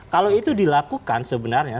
kalau itu dilakukan sebenarnya